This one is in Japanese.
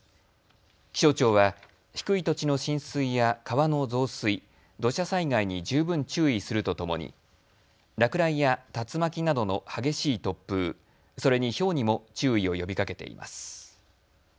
気象庁は低い土地の浸水や川の増水、土砂災害に十分注意するとともに落雷や竜巻などの激しい突風、それにひょうにも注意を呼びかけています。